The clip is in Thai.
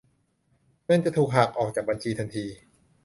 เงินจะถูกหักออกจากบัญชีทันที